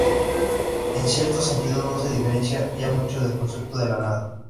En cierto sentido no se diferencia ya mucho del concepto de la nada.